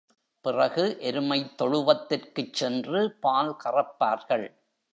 பிறகு எருமைத் தொழுவத்திற்குச் சென்று பால் கறப்பார்கள்.